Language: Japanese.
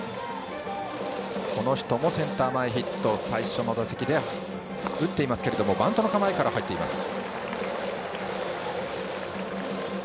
この人もセンター前ヒット最初の打席で打っていますがバントの構えから入っています。